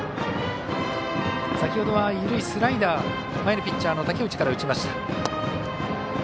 先ほどは緩いスライダー前のピッチャーの武内から打ちました。